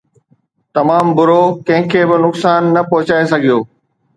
تمام برو! ڪنهن کي به نقصان نه پهچائي سگهيو